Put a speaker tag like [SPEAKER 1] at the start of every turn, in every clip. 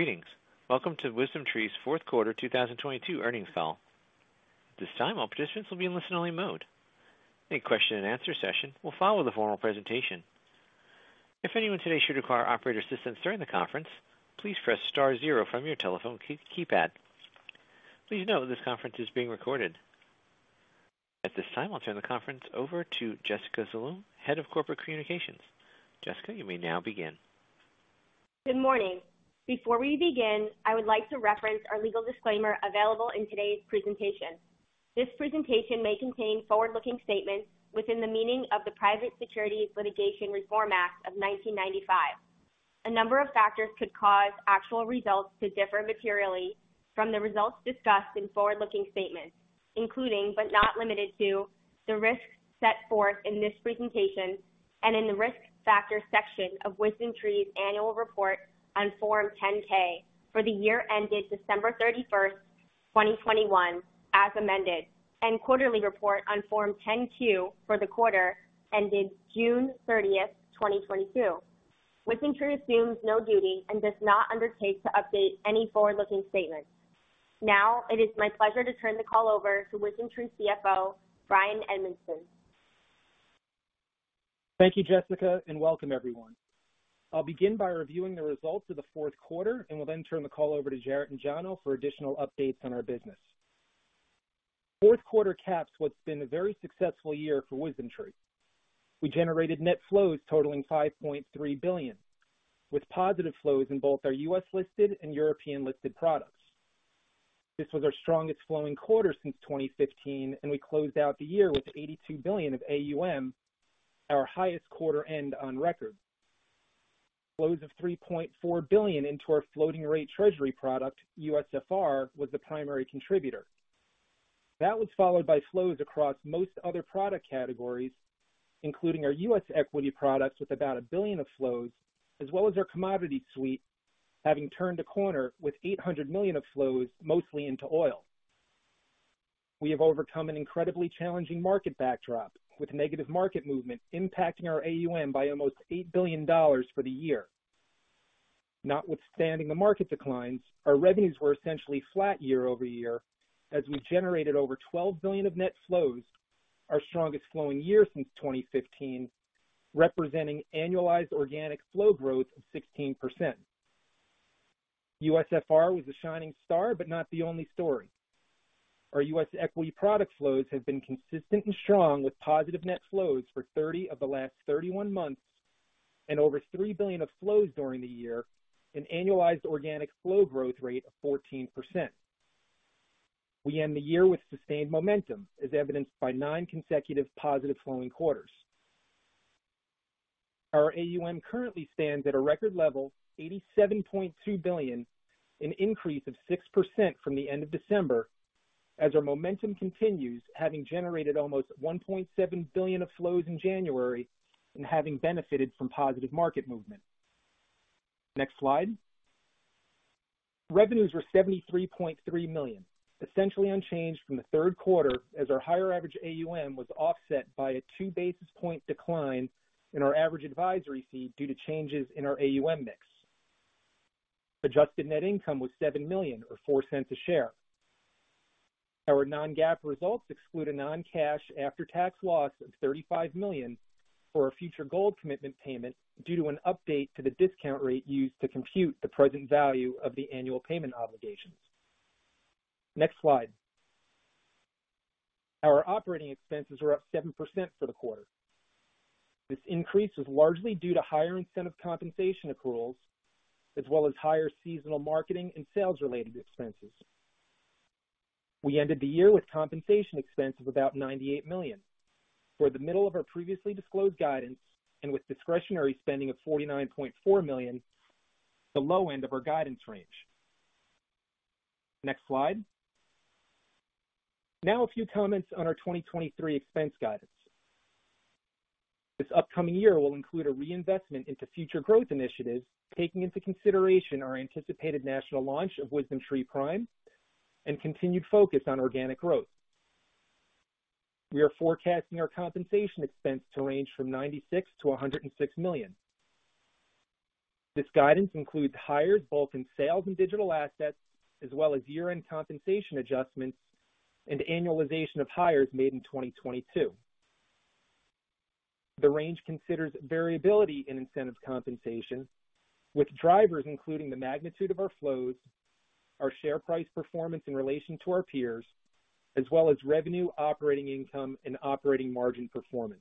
[SPEAKER 1] Greetings. Welcome to WisdomTree's fourth quarter 2022 earnings call. At this time, all participants will be in listen only mode. A question and answer session will follow the formal presentation. If anyone today should require operator assistance during the conference, please press star zero from your telephone keypad. Please note this conference is being recorded. At this time, I'll turn the conference over to Jessica Zaloom, Head of Corporate Communications. Jessica, you may now begin.
[SPEAKER 2] Good morning. Before we begin, I would like to reference our legal disclaimer available in today's presentation. This presentation may contain forward-looking statements within the meaning of the Private Securities Litigation Reform Act of 1995. A number of factors could cause actual results to differ materially from the results discussed in forward-looking statements, including, but not limited to, the risks set forth in this presentation and in the Risk Factors section of WisdomTree's Annual Report on Form 10-K for the year ended December 31st, 2021, as amended, and quarterly report on Form 10-Q for the quarter ended June 30th, 2022. WisdomTree assumes no duty and does not undertake to update any forward-looking statements. It is my pleasure to turn the call over to WisdomTree CFO, Bryan Edmiston.
[SPEAKER 3] Thank you, Jessica, and welcome everyone. I'll begin by reviewing the results of the fourth quarter, and will then turn the call over to Jarrett and John for additional updates on our business. Fourth quarter caps what's been a very successful year for WisdomTree. We generated net flows totaling $5.3 billion, with positive flows in both our U.S. listed and European listed products. This was our strongest flowing quarter since 2015, and we closed out the year with $82 billion of AUM, our highest quarter end on record. Flows of $3.4 billion into our floating rate treasury product, USFR, was the primary contributor. That was followed by flows across most other product categories, including our U.S. equity products with $1 billion of flows, as well as our commodity suite having turned a corner with $800 million of flows, mostly into oil. We have overcome an incredibly challenging market backdrop, with negative market movement impacting our AUM by almost $8 billion for the year. Notwithstanding the market declines, our revenues were essentially flat year-over-year as we generated over $12 billion of net flows, our strongest flowing year since 2015, representing annualized organic flow growth of 16%. USFR was a shining star, not the only story. Our U.S. equity product flows have been consistent and strong with positive net flows for 30 of the last 31 months and over $3 billion of flows during the year, an annualized organic flow growth rate of 14%. We end the year with sustained momentum, as evidenced by 9 consecutive positive flowing quarters. Our AUM currently stands at a record level, $87.2 billion, an increase of 6% from the end of December as our momentum continues, having generated almost $1.7 billion of flows in January and having benefited from positive market movement. Next slide. Revenues were $73.3 million, essentially unchanged from the third quarter as our higher average AUM was offset by a 2 basis point decline in our average advisory fee due to changes in our AUM mix. Adjusted net income was $7 million or $0.04 a share. Our non-GAAP results exclude a non-cash after-tax loss of $35 million for a future gold commitment payment due to an update to the discount rate used to compute the present value of the annual payment obligations. Next slide. Our operating expenses are up 7% for the quarter. This increase was largely due to higher incentive compensation accruals as well as higher seasonal marketing and sales related expenses. We ended the year with compensation expense of about $98 million. For the middle of our previously disclosed guidance and with discretionary spending of $49.4 million, the low end of our guidance range. Next slide. A few comments on our 2023 expense guidance. This upcoming year will include a reinvestment into future growth initiatives, taking into consideration our anticipated national launch of WisdomTree Prime and continued focus on organic growth. We are forecasting our compensation expense to range from $96 million-$106 million. This guidance includes hires both in sales and digital assets, as well as year-end compensation adjustments and annualization of hires made in 2022. The range considers variability in incentive compensation, with drivers including the magnitude of our flows, our share price performance in relation to our peers, as well as revenue, operating income, and operating margin performance.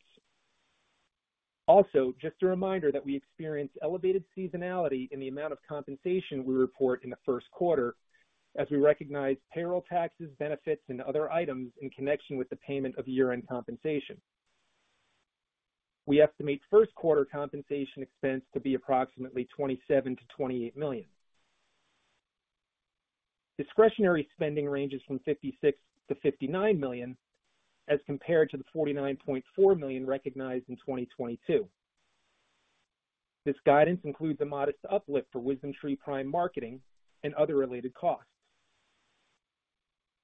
[SPEAKER 3] Just a reminder that we experience elevated seasonality in the amount of compensation we report in the first quarter as we recognize payroll taxes, benefits, and other items in connection with the payment of year-end compensation. We estimate first quarter compensation expense to be approximately $27 million-$28 million. Discretionary spending ranges from $56 million-$59 million as compared to the $49.4 million recognized in 2022. This guidance includes a modest uplift for WisdomTree Prime marketing and other related costs.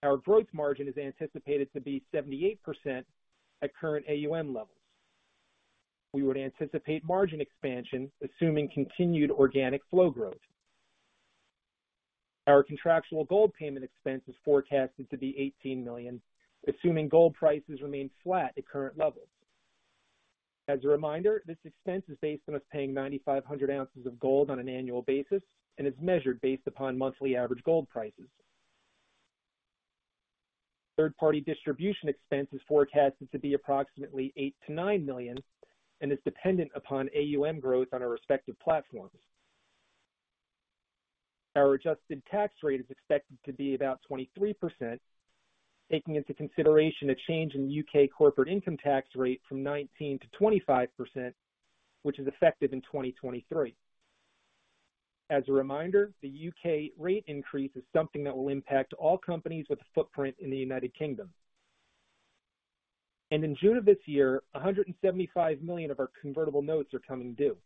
[SPEAKER 3] Our gross margin is anticipated to be 78% at current AUM levels. We would anticipate margin expansion, assuming continued organic flow growth. Our contractual gold payment expense is forecasted to be $18 million, assuming gold prices remain flat at current levels. As a reminder, this expense is based on us paying 9,500 ounces of gold on an annual basis and is measured based upon monthly average gold prices. Third party distribution expense is forecasted to be approximately $8 million-$9 million and is dependent upon AUM growth on our respective platforms. Our adjusted tax rate is expected to be about 23%, taking into consideration a change in U.K. corporate income tax rate from 19%-25%, which is effective in 2023. As a reminder, the U.K. rate increase is something that will impact all companies with a footprint in the United Kingdom. In June of this year, $175 million of our convertible notes are coming due.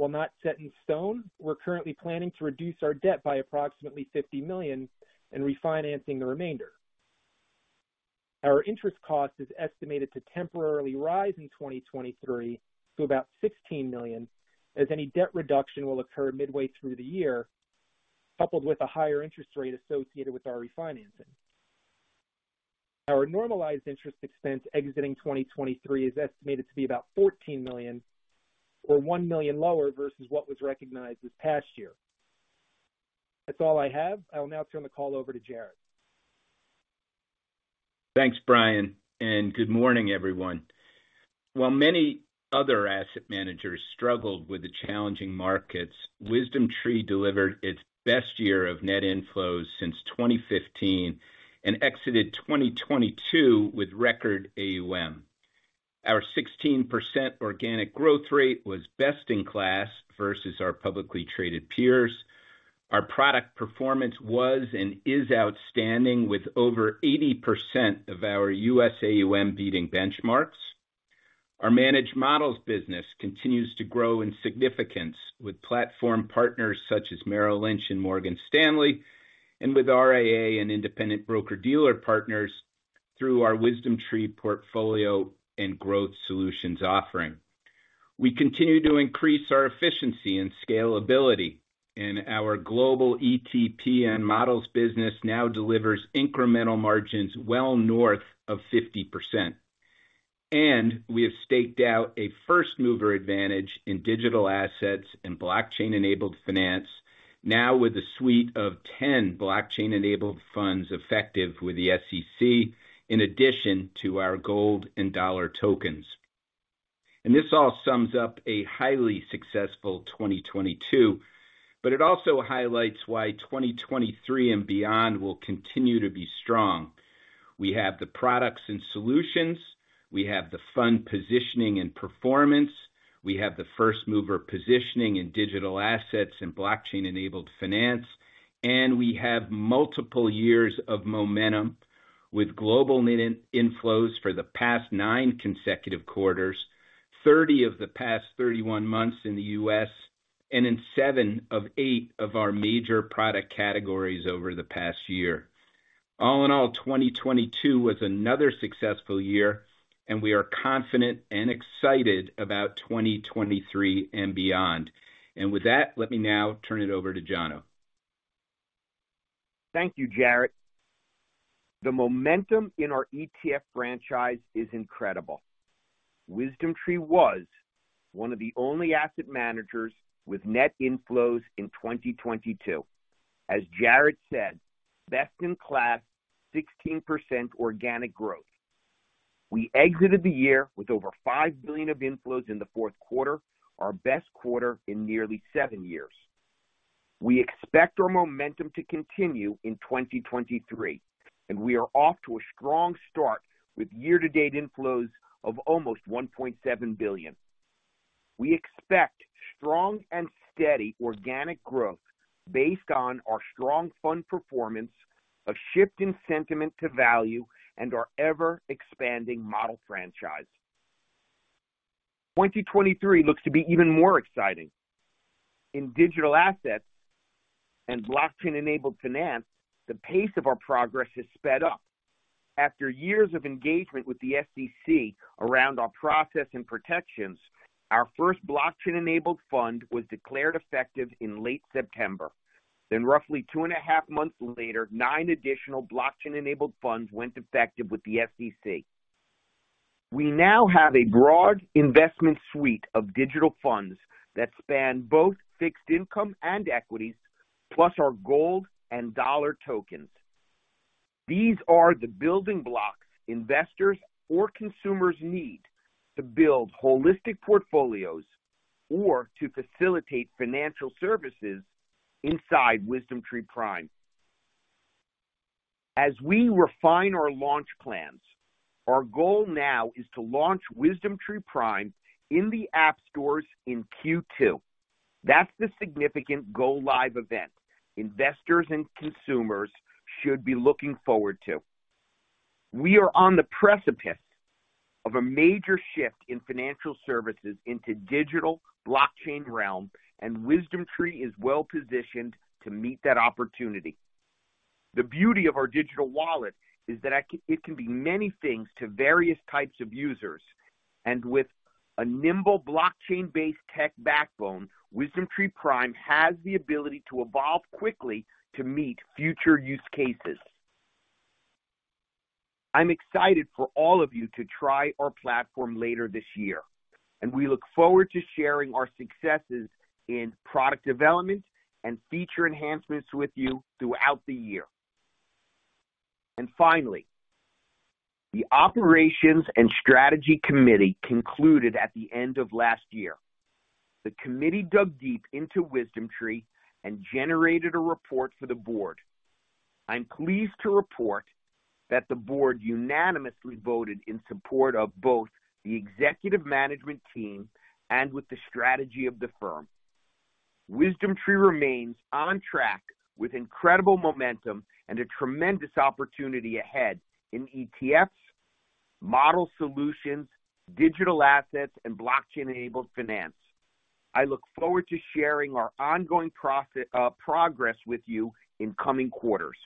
[SPEAKER 3] While not set in stone, we're currently planning to reduce our debt by approximately $50 million and refinancing the remainder. Our interest cost is estimated to temporarily rise in 2023 to about $16 million, as any debt reduction will occur midway through the year, coupled with a higher interest rate associated with our refinancing. Our normalized interest expense exiting 2023 is estimated to be about $14 million or $1 million lower versus what was recognized this past year. That's all I have. I will now turn the call over to Jarrett.
[SPEAKER 4] Thanks, Bryan, and good morning, everyone. While many other asset managers struggled with the challenging markets, WisdomTree delivered its best year of net inflows since 2015 and exited 2022 with record AUM. Our 16% organic growth rate was best in class versus our publicly traded peers. Our product performance was and is outstanding with over 80% of our USA AUM beating benchmarks. Our managed models business continues to grow in significance with platform partners such as Merrill Lynch and Morgan Stanley, and with RIA and independent broker-dealer partners through our WisdomTree portfolio and growth solutions offering. We continue to increase our efficiency and scalability, and our global ETP and models business now delivers incremental margins well north of 50%. We have staked out a first mover advantage in digital assets and blockchain enabled finance now with a suite of 10 blockchain enabled funds effective with the SEC, in addition to our Gold and Dollar Tokens. This all sums up a highly successful 2022, but it also highlights why 2023 and beyond will continue to be strong. We have the products and solutions, we have the fund positioning and performance, we have the first mover positioning in digital assets and blockchain enabled finance, and we have multiple years of momentum with global net inflows for the past 9 consecutive quarters, 30 of the past 31 months in the U.S., and in 7 of 8 of our major product categories over the past year. All in all, 2022 was another successful year, and we are confident and excited about 2023 and beyond. With that, let me now turn it over to John.
[SPEAKER 5] Thank you, Jarrett. The momentum in our ETF franchise is incredible. WisdomTree was one of the only asset managers with net inflows in 2022. As Jarrett said, best in class, 16% organic growth. We exited the year with over $5 billion of inflows in the fourth quarter, our best quarter in nearly seven years. We expect our momentum to continue in 2023, and we are off to a strong start with year-to-date inflows of almost $1.7 billion. We expect strong and steady organic growth based on our strong fund performance, a shift in sentiment to value, and our ever-expanding model franchise. 2023 looks to be even more exciting. In digital assets and blockchain-enabled finance, the pace of our progress has sped up. After years of engagement with the SEC around our process and protections, our first blockchain enabled fund was declared effective in late September. Roughly 2.5 months later, 9 additional blockchain enabled funds went effective with the SEC. We now have a broad investment suite of digital funds that span both fixed income and equities, plus our Gold and Dollar Tokens. These are the building blocks investors or consumers need to build holistic portfolios or to facilitate financial services inside WisdomTree Prime. As we refine our launch plans, our goal now is to launch WisdomTree Prime in the App Store in Q2. That's the significant go live event investors and consumers should be looking forward to. We are on the precipice of a major shift in financial services into digital blockchain realm, WisdomTree is well-positioned to meet that opportunity. The beauty of our digital wallet is that it can, it can be many things to various types of users. With a nimble blockchain-based tech backbone, WisdomTree Prime has the ability to evolve quickly to meet future use cases. I'm excited for all of you to try our platform later this year, and we look forward to sharing our successes in product development and feature enhancements with you throughout the year. Finally, the operations and strategy committee concluded at the end of last year. The committee dug deep into WisdomTree and generated a report for the board. I'm pleased to report that the board unanimously voted in support of both the executive management team and with the strategy of the firm. WisdomTree remains on track with incredible momentum and a tremendous opportunity ahead in ETFs, model solutions, digital assets, and blockchain-enabled finance. I look forward to sharing our ongoing progress with you in coming quarters.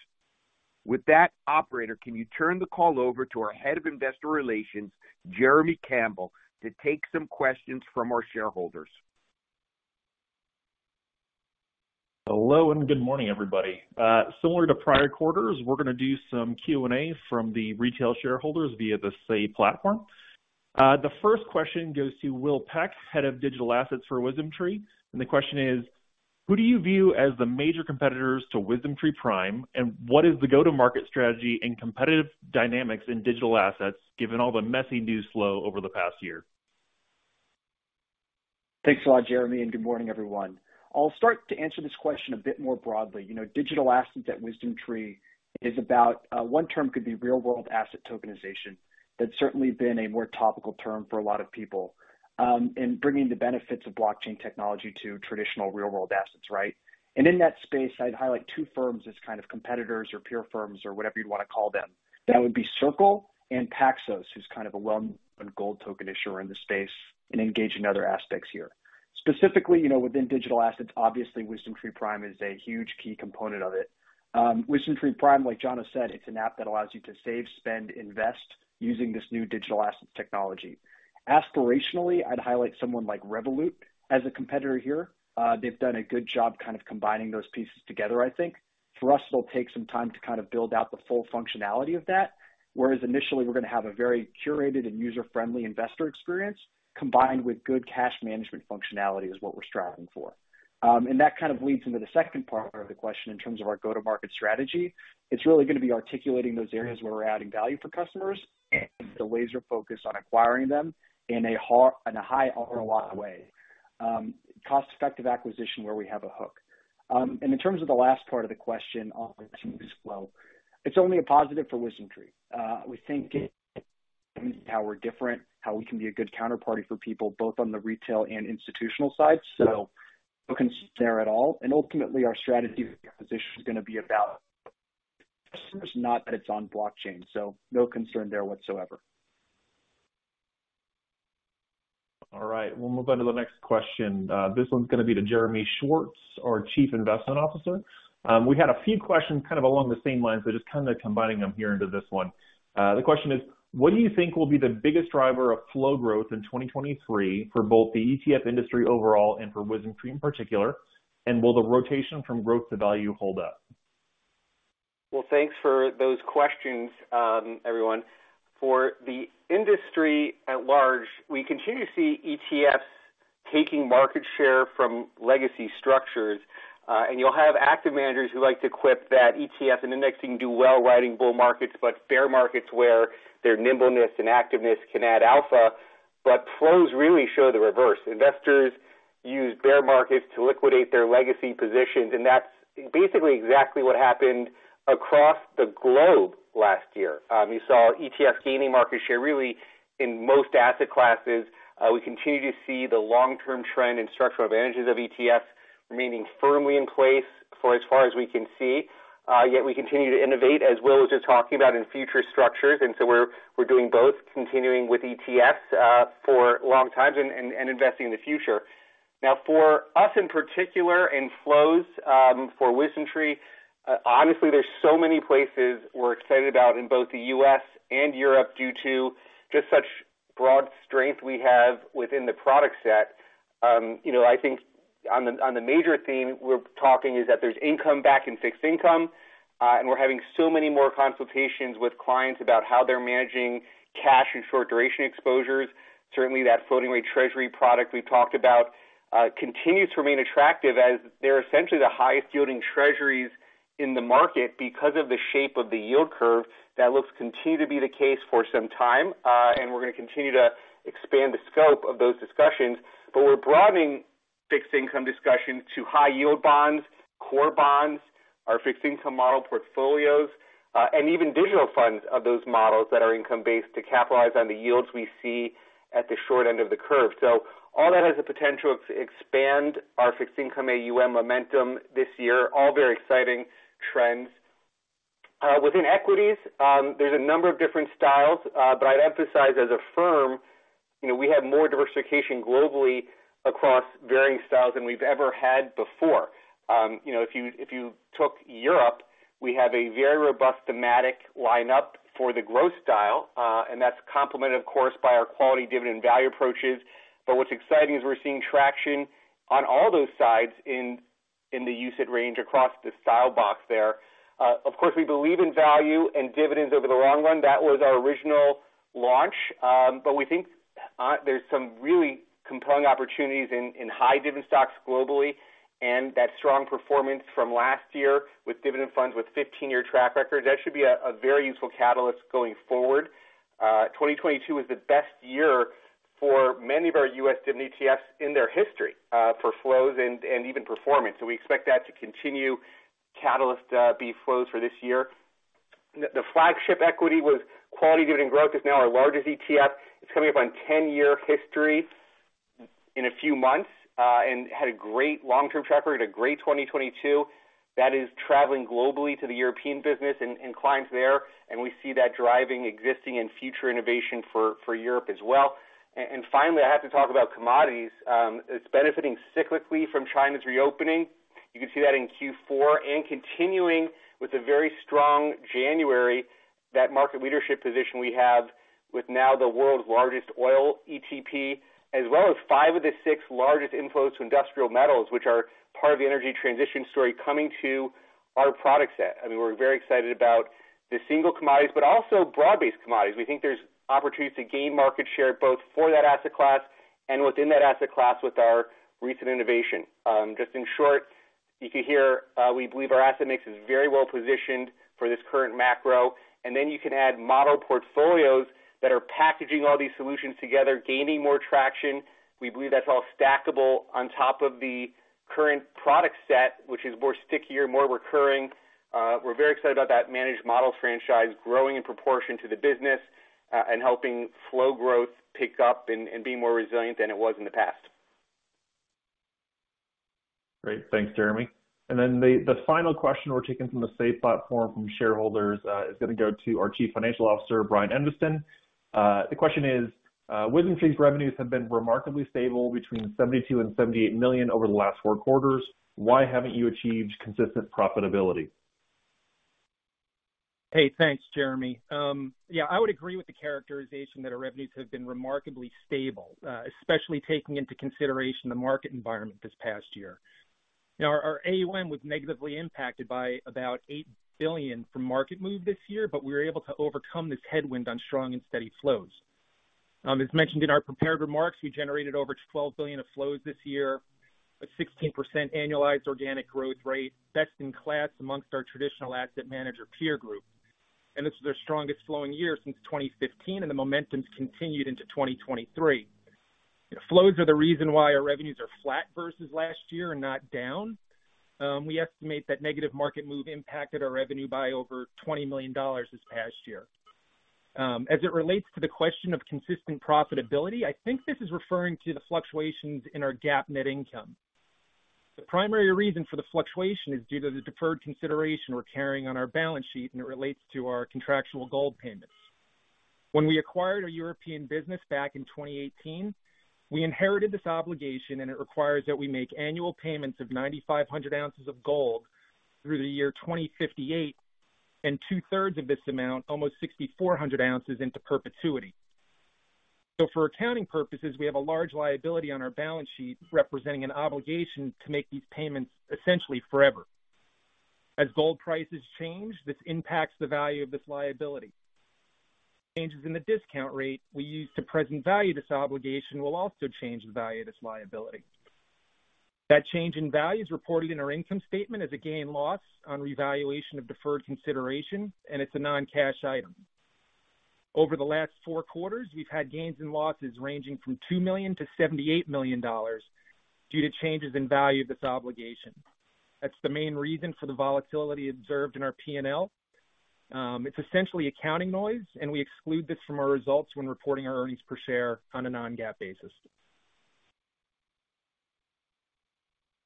[SPEAKER 5] With that, operator, can you turn the call over to our Head of Investor Relations, Jeremy Campbell, to take some questions from our shareholders.
[SPEAKER 6] Hello and good morning, everybody. Similar to prior quarters, we're gonna do some Q&A from the retail shareholders via the Say platform. The first question goes to Will Peck, Head of Digital Assets for WisdomTree. The question is: Who do you view as the major competitors to WisdomTree Prime? What is the go-to-market strategy and competitive dynamics in digital assets, given all the messy news flow over the past year?
[SPEAKER 7] Thanks a lot, Jeremy, and good morning, everyone. I'll start to answer this question a bit more broadly. You know, digital assets at WisdomTree is about, one term could be real-world asset tokenization. That's certainly been a more topical term for a lot of people, in bringing the benefits of blockchain technology to traditional real-world assets, right? In that space, I'd highlight two firms as kind of competitors or peer firms or whatever you'd want to call them. That would be Circle and Paxos, who's kind of a well-known gold token issuer in the space and engage in other aspects here. Specifically, you know, within digital assets, obviously, WisdomTree Prime is a huge key component of it. WisdomTree Prime, like John has said, it's an app that allows you to save, spend, invest using this new digital assets technology. Aspirationally, I'd highlight someone like Revolut as a competitor here. They've done a good job kind of combining those pieces together, I think. For us, it'll take some time to kind of build out the full functionality of that, whereas initially, we're gonna have a very curated and user-friendly investor experience combined with good cash management functionality is what we're striving for. That kind of leads into the second part of the question in terms of our go-to-market strategy. It's really gonna be articulating those areas where we're adding value for customers and the laser focus on acquiring them in a high-ROI way. Cost-effective acquisition where we have a hook. In terms of the last part of the question on the news flow, it's only a positive for WisdomTree. We think how we're different, how we can be a good counterparty for people, both on the retail and institutional side. No concern there at all. Ultimately, our strategy position is gonna be about customers, not that it's on blockchain, so no concern there whatsoever.
[SPEAKER 6] All right, we'll move on to the next question. This one's gonna be to Jeremy Schwartz, our chief investment officer. We had a few questions kind of along the same lines, so just kind of combining them here into this one. The question is: What do you think will be the biggest driver of flow growth in 2023 for both the ETF industry overall and for WisdomTree in particular? Will the rotation from growth to value hold up?
[SPEAKER 8] Well, thanks for those questions, everyone. For the industry at large, we continue to see ETFs taking market share from legacy structures. You'll have active managers who like to quip that ETF and indexing do well riding bull markets, but bear markets where their nimbleness and activeness can add alpha, but flows really show the reverse. Investors use bear markets to liquidate their legacy positions, and that's basically exactly what happened across the globe last year. You saw ETFs gaining market share really in most asset classes. We continue to see the long-term trend and structural advantages of ETFs remaining firmly in place for as far as we can see. Yet we continue to innovate as Will was just talking about in future structures, we're doing both, continuing with ETFs for long times and investing in the future. Now, for us in particular in flows for WisdomTree, honestly, there's so many places we're excited about in both the U.S. and Europe due to just such broad strength we have within the product set. You know, I think on the major theme we're talking is that there's income back in fixed income, and we're having so many more consultations with clients about how they're managing cash and short duration exposures. Certainly, that floating rate treasury product we talked about continues to remain attractive as they're essentially the highest yielding treasuries in the market because of the shape of the yield curve. That looks continue to be the case for some time, and we're gonna continue to expand the scope of those discussions. We're broadening fixed income discussions to high yield bonds, core bonds, our fixed income model portfolios, and even digital funds of those models that are income-based to capitalize on the yields we see at the short end of the curve. All that has the potential to expand our fixed income AUM momentum this year. All very exciting trends. Within equities, there's a number of different styles. I'd emphasize as a firm, you know, we have more diversification globally across varying styles than we've ever had before. You know, if you, if you took Europe, we have a very robust thematic lineup for the growth style, and that's complemented, of course, by our quality dividend value approaches. What's exciting is we're seeing traction on all those sides in the UCITS range across the style box there. Of course, we believe in value and dividends over the long run. That was our original launch. We think there's some really compelling opportunities in high dividend stocks globally, and that strong performance from last year with dividend funds with 15-year track records, that should be a very useful catalyst going forward. 2022 was the best year for many of our U.S. dividend ETFs in their history for flows and even performance. We expect that to continue catalyst, be flows for this year. The flagship equity was Quality Dividend Growth is now our largest ETF. It's coming up on 10-year history in a few months, and had a great long-term tracker at a great 2022 that is traveling globally to the European business and clients there. We see that driving existing and future innovation for Europe as well. Finally, I have to talk about commodities. It's benefiting cyclically from China's reopening. You can see that in Q4 and continuing with a very strong January. That market leadership position we have with now the world's largest oil ETP, as well as five of the six largest inflows to industrial metals, which are part of the energy transition story coming to our product set. I mean, we're very excited about the single commodities, but also broad-based commodities. We think there's opportunities to gain market share both for that asset class and within that asset class with our recent innovation. Just in short, you can hear, we believe our asset mix is very well positioned for this current macro. Then you can add model portfolios that are packaging all these solutions together, gaining more traction. We believe that's all stackable on top of the current product set, which is more stickier, more recurring. We're very excited about that managed model franchise growing in proportion to the business, and helping flow growth pick up and be more resilient than it was in the past.
[SPEAKER 6] Great. Thanks, Jeremy. The final question we're taking from the Say platform from shareholders is gonna go to our Chief Financial Officer, Bryan Edmiston. The question is, WisdomTree's revenues have been remarkably stable between $72 million and $78 million over the last four quarters. Why haven't you achieved consistent profitability?
[SPEAKER 3] Hey, thanks, Jeremy. Yeah, I would agree with the characterization that our revenues have been remarkably stable, especially taking into consideration the market environment this past year. Our AUM was negatively impacted by about $8 billion from market move this year. We were able to overcome this headwind on strong and steady flows. As mentioned in our prepared remarks, we generated over $12 billion of flows this year, a 16% annualized organic growth rate, best in class amongst our traditional asset manager peer group. This was our strongest flowing year since 2015, and the momentum's continued into 2023. Flows are the reason why our revenues are flat versus last year and not down. We estimate that negative market move impacted our revenue by over $20 million this past year. As it relates to the question of consistent profitability, I think this is referring to the fluctuations in our GAAP net income. The primary reason for the fluctuation is due to the deferred consideration we're carrying on our balance sheet. It relates to our contractual gold payments. When we acquired our European business back in 2018, we inherited this obligation. It requires that we make annual payments of 9,500 ounces of gold through the year 2058, and two-thirds of this amount, almost 6,400 ounces, into perpetuity. For accounting purposes, we have a large liability on our balance sheet representing an obligation to make these payments essentially forever. As gold prices change, this impacts the value of this liability. Changes in the discount rate we use to present value this obligation will also change the value of this liability. That change in value is reported in our income statement as a gain loss on revaluation of deferred consideration, and it's a non-cash item. Over the last four quarters, we've had gains and losses ranging from $2 million-$78 million due to changes in value of this obligation. That's the main reason for the volatility observed in our P&L. It's essentially accounting noise, and we exclude this from our results when reporting our earnings per share on a non-GAAP basis.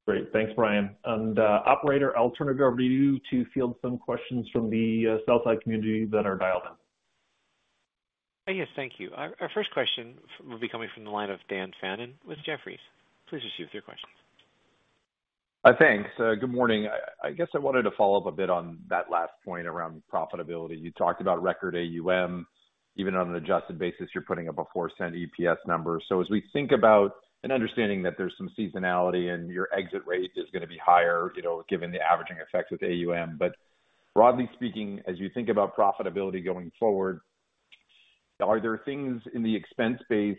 [SPEAKER 6] Great. Thanks, Brian. Operator, I'll turn it over to you to field some questions from the sell-side community that are dialed in.
[SPEAKER 1] Yes, thank you. Our first question will be coming from the line of Dan Fannon with Jefferies. Please proceed with your questions.
[SPEAKER 9] Thanks. Good morning. I guess I wanted to follow up a bit on that last point around profitability. You talked about record AUM. Even on an adjusted basis, you're putting up a $0.04 EPS number. As we think about, and understanding that there's some seasonality and your exit rate is gonna be higher, you know, given the averaging effects with AUM. Broadly speaking, as you think about profitability going forward, are there things in the expense base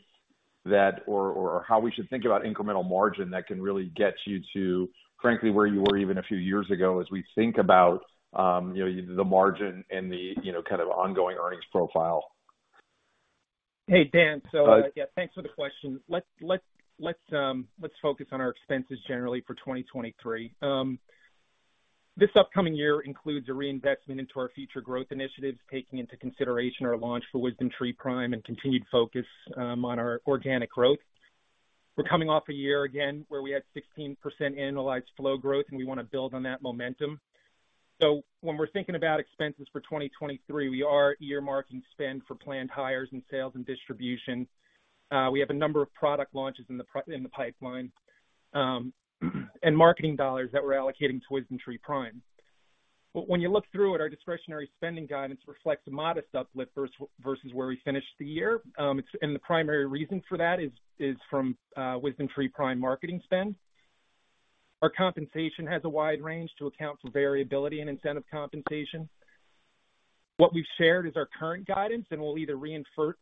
[SPEAKER 9] that or how we should think about incremental margin that can really get you to, frankly, where you were even a few years ago, as we think about, you know, the margin and the, you know, kind of ongoing earnings profile?
[SPEAKER 3] Hey, Dan. Yeah, thanks for the question. Let's focus on our expenses generally for 2023. This upcoming year includes a reinvestment into our future growth initiatives, taking into consideration our launch for WisdomTree Prime and continued focus on our organic growth. We're coming off a year again where we had 16% annualized flow growth, and we wanna build on that momentum. When we're thinking about expenses for 2023, we are earmarking spend for planned hires in sales and distribution. We have a number of product launches in the pipeline, and marketing dollars that we're allocating to WisdomTree Prime. When you look through it, our discretionary spending guidance reflects a modest uplift versus where we finished the year. And the primary reason for that is from WisdomTree Prime marketing spend. Our compensation has a wide range to account for variability and incentive compensation. What we've shared is our current guidance, and we'll either reinforce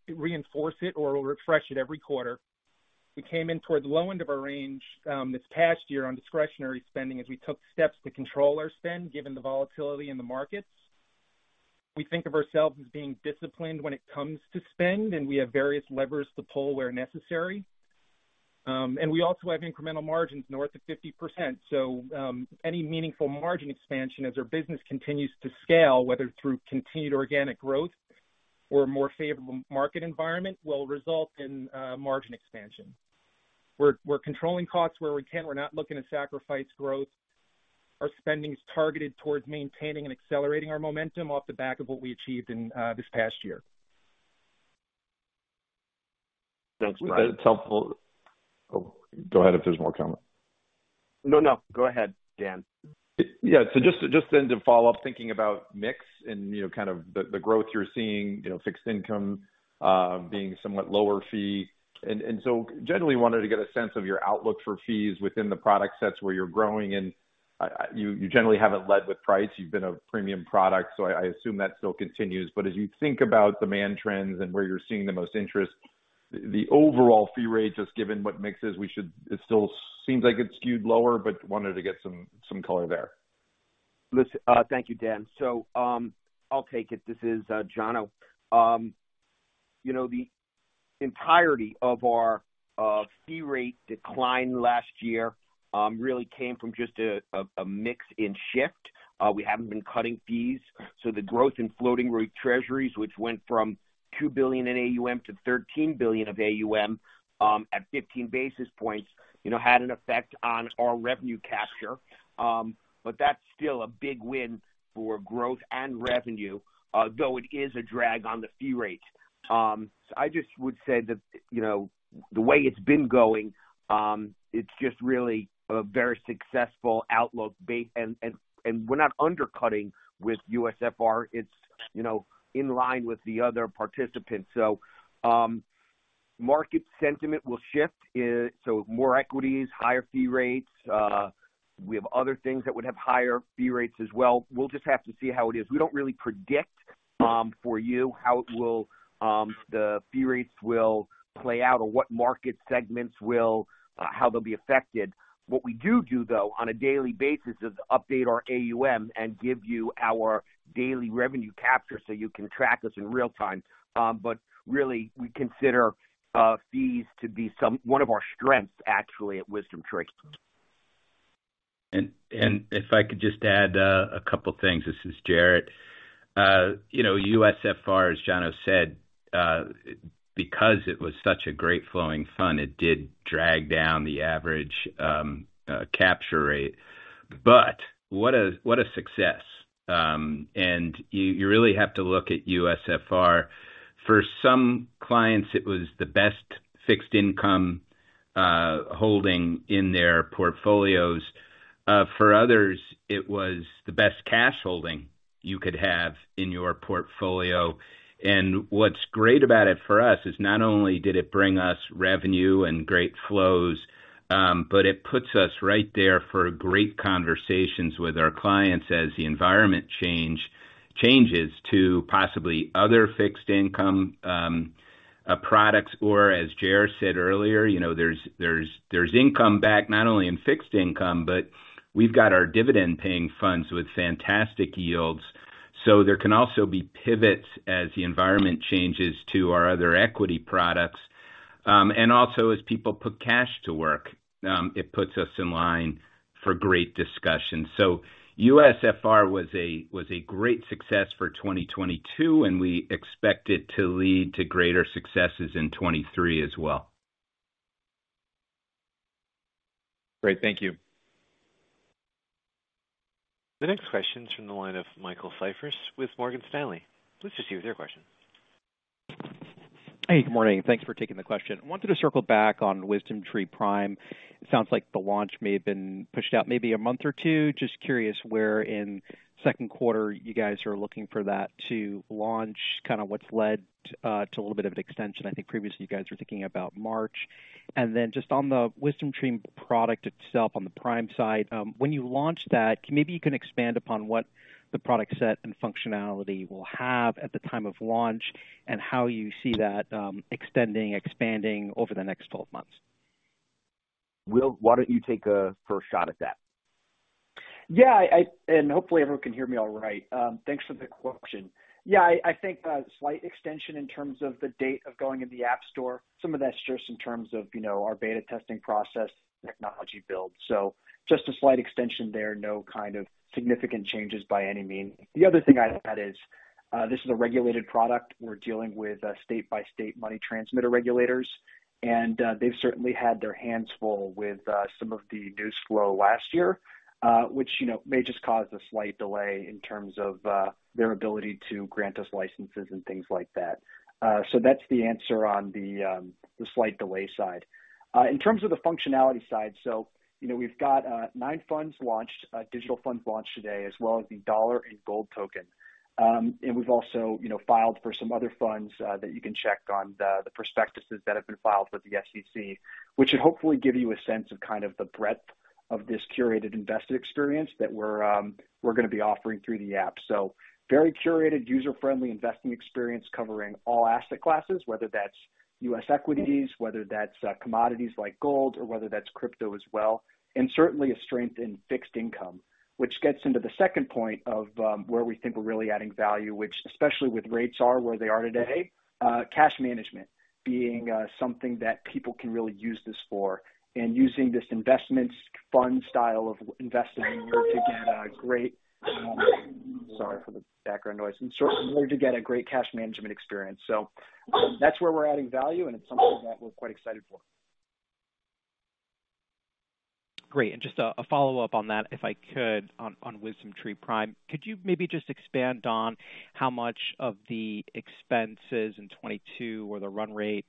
[SPEAKER 3] it or we'll refresh it every quarter. We came in toward the low end of our range, this past year on discretionary spending as we took steps to control our spend, given the volatility in the markets. We think of ourselves as being disciplined when it comes to spend, and we have various levers to pull where necessary. We also have incremental margins north of 50%. Any meaningful margin expansion as our business continues to scale, whether through continued organic growth or a more favorable market environment, will result in margin expansion. We're controlling costs where we can. We're not looking to sacrifice growth. Our spending is targeted towards maintaining and accelerating our momentum off the back of what we achieved in this past year.
[SPEAKER 5] Thanks, Bryan.
[SPEAKER 9] It's helpful... Oh, go ahead if there's more coming.
[SPEAKER 5] No, no, go ahead, Dan.
[SPEAKER 9] Yeah. Just then to follow up, thinking about mix and, you know, kind of the growth you're seeing, you know, fixed income, being somewhat lower fee. Generally wanted to get a sense of your outlook for fees within the product sets where you're growing. You generally haven't led with price. You've been a premium product, so I assume that still continues. As you think about demand trends and where you're seeing the most interest, the overall fee rate, just given what mix is we should. It still seems like it's skewed lower, but wanted to get some color there.
[SPEAKER 5] Listen, thank you, Dan. I'll take it. This is Jono. You know, the entirety of our fee rate decline last year really came from just a mix in shift. We haven't been cutting fees. The growth in floating rate Treasuries, which went from $2 billion in AUM to $13 billion of AUM, at 15 basis points, you know, had an effect on our revenue capture. That's still a big win for growth and revenue, though it is a drag on the fee rate. I just would say that, you know, the way it's been going, it's just really a very successful outlook and we're not undercutting with USFR. It's, you know, in line with the other participants. Market sentiment will shift. More equities, higher fee rates. We have other things that would have higher fee rates as well. We'll just have to see how it is. We don't really predict for you how it will, the fee rates will play out or what market segments will, how they'll be affected. What we do, though, on a daily basis is update our AUM and give you our daily revenue capture so you can track us in real time. Really, we consider fees to be one of our strengths actually at WisdomTree.
[SPEAKER 4] If I could just add a couple things. This is Jarrett. You know, USFR, as Jono said, because it was such a great flowing fund, it did drag down the average capture rate. What a success. You really have to look at USFR. For some clients, it was the best fixed income holding in their portfolios. For others, it was the best cash holding you could have in your portfolio. What's great about it for us is not only did it bring us revenue and great flows, but it puts us right there for great conversations with our clients as the environment changes to possibly other fixed income products. As Jer said earlier, you know, there's income back not only in fixed income, but we've got our dividend-paying funds with fantastic yields. There can also be pivots as the environment changes to our other equity products. Also as people put cash to work, it puts us in line for great discussions. USFR was a great success for 2022, and we expect it to lead to greater successes in 2023 as well.
[SPEAKER 9] Great. Thank you.
[SPEAKER 1] The next question is from the line of Michael Cyprys with Morgan Stanley. Please proceed with your question.
[SPEAKER 10] Hey, good morning. Thanks for taking the question. I wanted to circle back on WisdomTree Prime. It sounds like the launch may have been pushed out maybe one month or two. Just curious where in second quarter you guys are looking for that to launch, kind of what's led to a little bit of an extension. I think previously you guys were thinking about March. Then just on the WisdomTree product itself, on the Prime side, when you launch that, maybe you can expand upon what the product set and functionality will have at the time of launch, and how you see that extending, expanding over the next 12 months.
[SPEAKER 4] Will, why don't you take a first shot at that?
[SPEAKER 7] Hopefully everyone can hear me all right. Thanks for the question. I think a slight extension in terms of the date of going in the App Store, some of that's just in terms of, you know, our beta testing process, technology build. Just a slight extension there. No kind of significant changes by any means. The other thing I'd add is, this is a regulated product. We're dealing with state-by-state money transmitter regulators, they've certainly had their hands full with some of the news flow last year, which, you know, may just cause a slight delay in terms of their ability to grant us licenses and things like that. That's the answer on the slight delay side. In terms of the functionality side, you know, we've got nine funds launched, digital funds launched today, as well as the Dollar and Gold Token. And we've also, you know, filed for some other funds that you can check on the prospectuses that have been filed with the SEC, which should hopefully give you a sense of kind of the breadth of this curated investing experience that we're gonna be offering through the app. Very curated, user-friendly investing experience covering all asset classes, whether that's U.S. equities, whether that's commodities like gold or whether that's crypto as well, and certainly a strength in fixed income. Which gets into the second point of where we think we're really adding value, which especially with rates are where they are today, cash management being something that people can really use this for. Using this investments fund style of investing, we're taking a great... Sorry for the background noise. In order to get a great cash management experience. That's where we're adding value, and it's something that we're quite excited for.
[SPEAKER 10] Great. Just a follow-up on that, if I could, on WisdomTree Prime. Could you maybe just expand on how much of the expenses in 2022 or the run rate,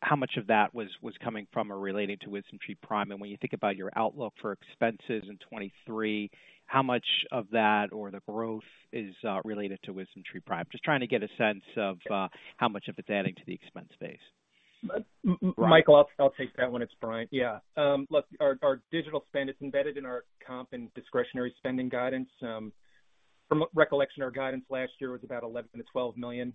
[SPEAKER 10] how much of that was coming from or relating to WisdomTree Prime? When you think about your outlook for expenses in 2023, how much of that or the growth is related to WisdomTree Prime? Just trying to get a sense of how much of it's adding to the expense base.
[SPEAKER 3] Michael, I'll take that one. It's Bryan. Look, our digital spend is embedded in our comp and discretionary spending guidance. From recollection, our guidance last year was about $11 million-$12 million.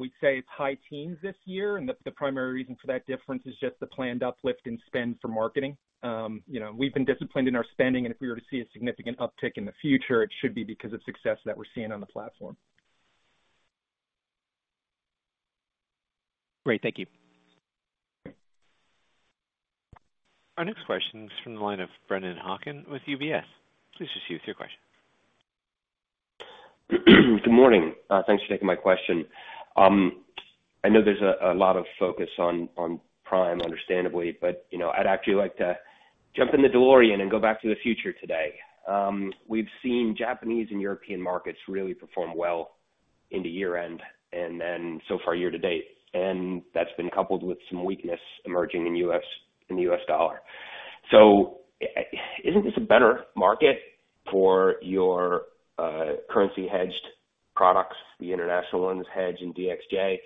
[SPEAKER 3] We'd say it's high teens this year, and the primary reason for that difference is just the planned uplift in spend for marketing. You know, we've been disciplined in our spending, and if we were to see a significant uptick in the future, it should be because of success that we're seeing on the platform.
[SPEAKER 10] Great. Thank you.
[SPEAKER 1] Our next question is from the line of Brennan Hawken with UBS. Please proceed with your question.
[SPEAKER 11] Good morning. Thanks for taking my question. I know there's a lot of focus on Prime, understandably, but, you know, I'd actually like to jump in the DeLorean and go back to the future today. We've seen Japanese and European markets really perform well into year-end, and then so far year-to-date, and that's been coupled with some weakness emerging in U.S., in the U.S. dollar. Isn't this a better market for your currency hedged products, the international ones, HEDJ and DXJ?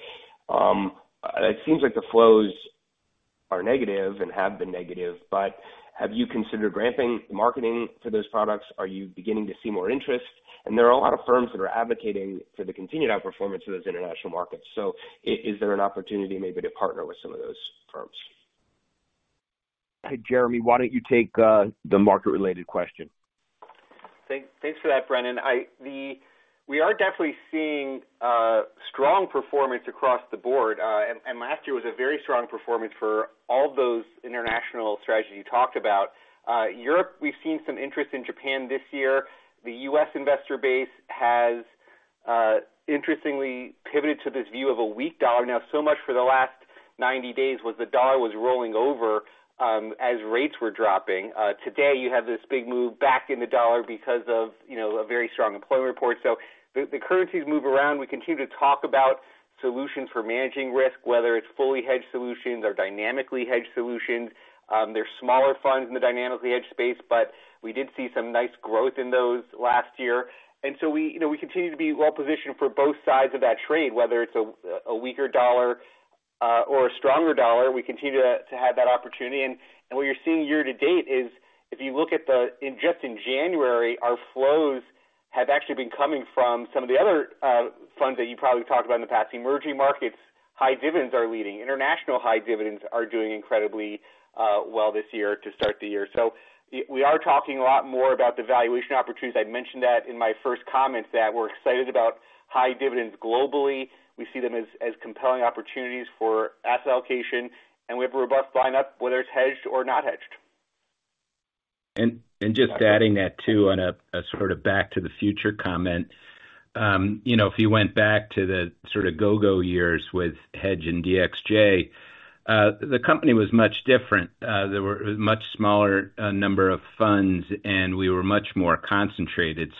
[SPEAKER 11] It seems like the flows are negative and have been negative, but have you considered ramping marketing for those products? Are you beginning to see more interest? There are a lot of firms that are advocating for the continued outperformance of those international markets. Is there an opportunity maybe to partner with some of those firms?
[SPEAKER 5] Jeremy, why don't you take the market-related question?
[SPEAKER 8] Thanks for that, Brennan. We are definitely seeing strong performance across the board. Last year was a very strong performance for all those international strategies you talked about. Europe, we've seen some interest in Japan this year. The U.S. investor base has interestingly pivoted to this view of a weak dollar. So much for the last 90 days was the dollar was rolling over as rates were dropping. Today you have this big move back in the dollar because of, you know, a very strong employment report. The currencies move around. We continue to talk about solutions for managing risk, whether it's fully hedged solutions or dynamically hedged solutions. They're smaller funds in the dynamically hedged space, but we did see some nice growth in those last year. We, you know, we continue to be well positioned for both sides of that trade, whether it's a weaker dollar or a stronger dollar, we continue to have that opportunity. What you're seeing year to date is, if you look at In just January, our flows have actually been coming from some of the other funds that you probably talked about in the past. Emerging markets, high dividends are leading. International high dividends are doing incredibly well this year to start the year. We are talking a lot more about the valuation opportunities. I'd mentioned that in my first comments that we're excited about high dividends globally. We see them as compelling opportunities for asset allocation, and we have a robust lineup, whether it's hedged or not hedged.
[SPEAKER 4] Just adding that too on a sort of back to the future comment. You know, if you went back to the sort of go-go years with HEDJ and DXJ, the company was much different. There were much smaller number of funds, and we were much more concentrated.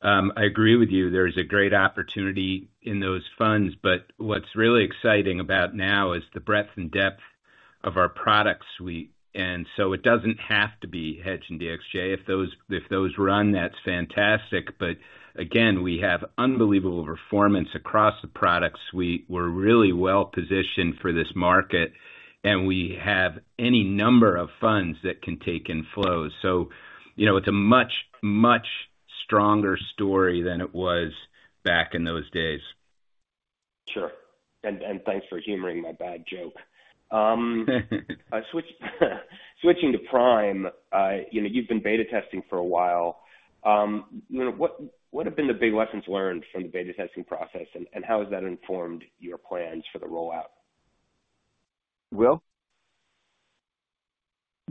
[SPEAKER 4] I agree with you. There's a great opportunity in those funds, but what's really exciting about now is the breadth and depth of our product suite. It doesn't have to be HEDJ and DXJ. If those run, that's fantastic. Again, we have unbelievable performance across the product suite. We're really well positioned for this market, and we have any number of funds that can take inflows. You know, it's a much stronger story than it was back in those days.
[SPEAKER 11] Sure. Thanks for humoring my bad joke. Switching to WisdomTree Prime, you know, you've been beta testing for a while. You know, what have been the big lessons learned from the beta testing process, and how has that informed your plans for the rollout?
[SPEAKER 5] Will?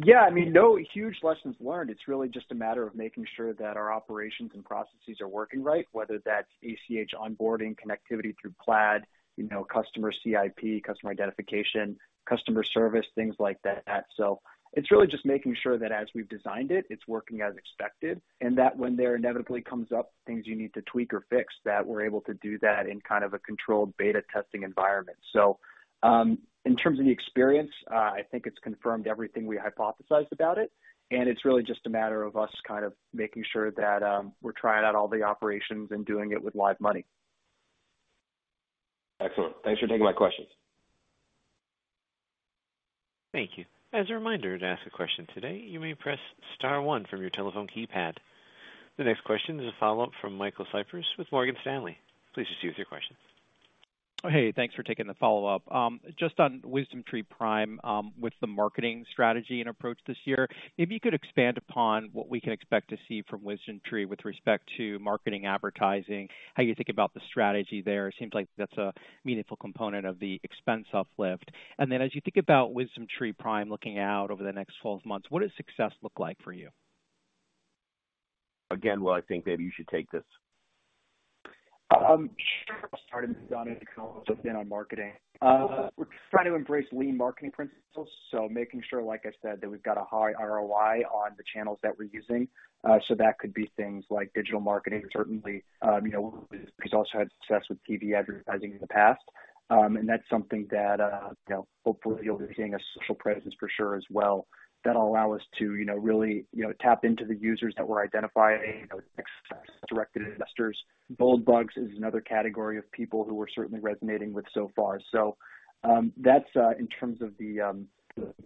[SPEAKER 7] Yeah. I mean, no huge lessons learned. It's really just a matter of making sure that our operations and processes are working right, whether that's ACH onboarding, connectivity through Plaid, you know, customer CIP, customer identification, customer service, things like that. It's really just making sure that as we've designed it's working as expected, and that when there inevitably comes up things you need to tweak or fix, that we're able to do that in kind of a controlled beta testing environment. In terms of the experience, I think it's confirmed everything we hypothesized about it, and it's really just a matter of us kind of making sure that we're trying out all the operations and doing it with live money.
[SPEAKER 11] Excellent. Thanks for taking my questions.
[SPEAKER 1] Thank you. As a reminder, to ask a question today, you may press star one from your telephone keypad. The next question is a follow-up from Michael Cyprys with Morgan Stanley. Please proceed with your question.
[SPEAKER 10] Hey, thanks for taking the follow-up. Just on WisdomTree Prime, with the marketing strategy and approach this year, if you could expand upon what we can expect to see from WisdomTree with respect to marketing, advertising, how you think about the strategy there. It seems like that's a meaningful component of the expense uplift. As you think about WisdomTree Prime looking out over the next 12 months, what does success look like for you?
[SPEAKER 5] Again, Will, I think maybe you should take this.
[SPEAKER 7] Sure. I'll start, and then John can comment in on marketing. We're trying to embrace lean marketing principles, so making sure, like I said, that we've got a high ROI on the channels that we're using. That could be things like digital marketing, certainly. You know, WisdomTree's also had success with TV advertising in the past. That's something that, you know, hopefully you'll be seeing a social presence for sure as well. That'll allow us to, you know, really, you know, tap into the users that we're identifying, you know, next best directed investors. Gold bugs is another category of people who we're certainly resonating with so far. That's in terms of the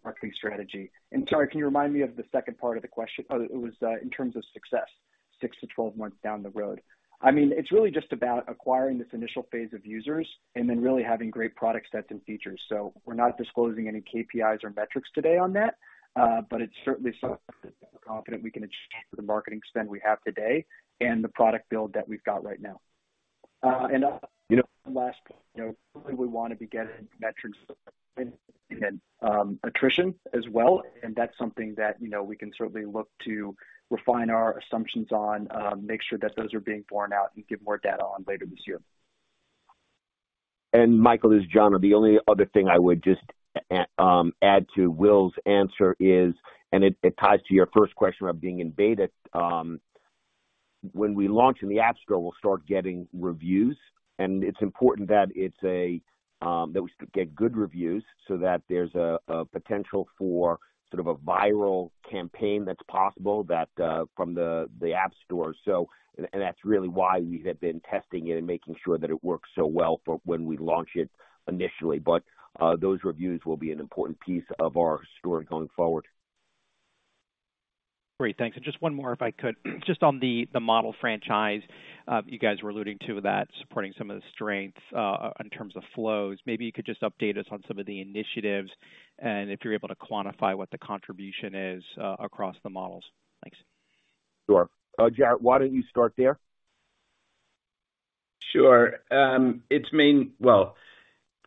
[SPEAKER 7] marketing strategy. Sorry, can you remind me of the second part of the question? In terms of success 6-12 months down the road. I mean, it's really just about acquiring this initial phase of users and then really having great product sets and features. We're not disclosing any KPIs or metrics today on that, but it's certainly something that we're confident we can achieve with the marketing spend we have today and the product build that we've got right now. Last point, you know, certainly we wanna be getting metrics and attrition as well, and that's something that, you know, we can certainly look to refine our assumptions on, make sure that those are being borne out and give more data on later this year.
[SPEAKER 5] Michael, this is John. The only other thing I would just add to Will's answer is... It ties to your first question about being in beta. When we launch in the App Store, we'll start getting reviews, and it's important that it's that we get good reviews so that there's a potential for sort of a viral campaign that's possible from the App Store. That's really why we have been testing it and making sure that it works so well for when we launch it initially. Those reviews will be an important piece of our story going forward.
[SPEAKER 10] Great. Thanks. Just one more, if I could. Just on the model franchise, you guys were alluding to that supporting some of the strength in terms of flows. Maybe you could just update us on some of the initiatives and if you're able to quantify what the contribution is across the models. Thanks.
[SPEAKER 5] Sure. Jarrett, why don't you start there?
[SPEAKER 4] Sure. Well,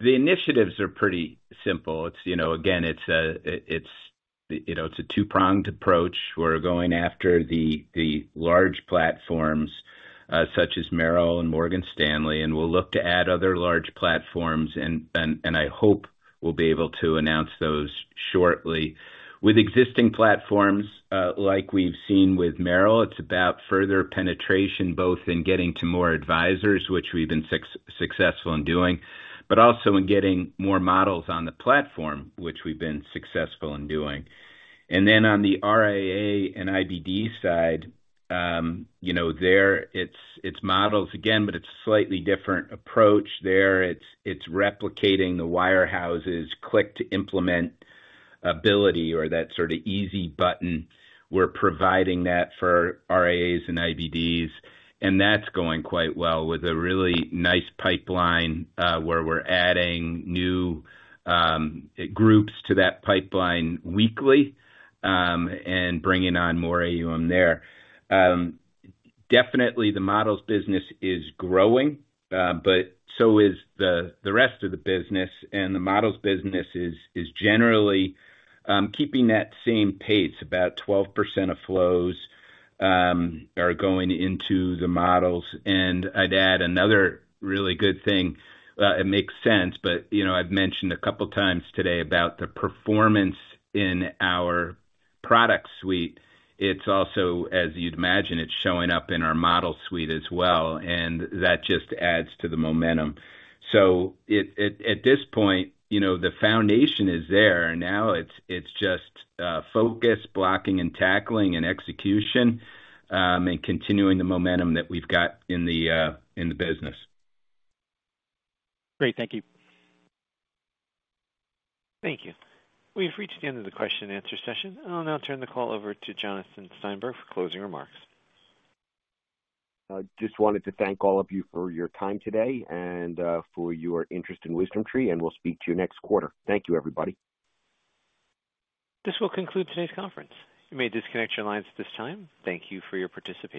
[SPEAKER 4] the initiatives are pretty simple. It's again, it's a 2-pronged approach. We're going after the large platforms, such as Merrill and Morgan Stanley, and we'll look to add other large platforms, and I hope we'll be able to announce those shortly. With existing platforms, like we've seen with Merrill, it's about further penetration, both in getting to more advisors, which we've been successful in doing, but also in getting more models on the platform, which we've been successful in doing. Then on the RIA and IBD side, there it's models again, but it's slightly different approach. There it's replicating the wirehouses' click to implement ability or that sort of easy button. We're providing that for RIAs and IBDs, and that's going quite well with a really nice pipeline, where we're adding new groups to that pipeline weekly, and bringing on more AUM there. Definitely the models business is growing, but so is the rest of the business. The models business is generally keeping that same pace. About 12% of flows are going into the models. I'd add another really good thing. It makes sense, but, you know, I've mentioned a couple times today about the performance in our product suite. It's also, as you'd imagine, it's showing up in our model suite as well, and that just adds to the momentum. At this point, you know, the foundation is there. It's just focus, blocking and tackling and execution, and continuing the momentum that we've got in the business.
[SPEAKER 10] Great. Thank you.
[SPEAKER 1] Thank you. We've reached the end of the question and answer session. I'll now turn the call over to Jonathan Steinberg for closing remarks.
[SPEAKER 5] I just wanted to thank all of you for your time today and for your interest in WisdomTree. We'll speak to you next quarter. Thank you, everybody.
[SPEAKER 1] This will conclude today's conference. You may disconnect your lines at this time. Thank you for your participation.